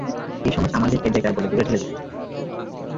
এই সমাজ আমাদেরকে বেকার বলে, ধুরে ঠেলে দিতো।